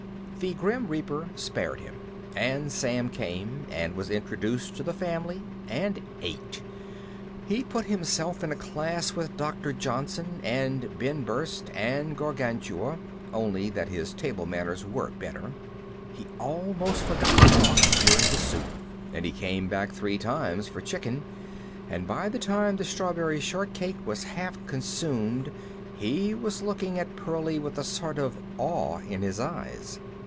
The Grim Reaper spared him, and Sam came, and was introduced to the family, and ate. He put himself in a class with Dr. Johnson, and Ben Brust, and Gargantua, only that his table manners were better. He almost forgot to talk during the soup, and he came back three times for chicken, and by the time the strawberry shortcake was half consumed he was looking at Pearlie with a sort of awe in his eyes.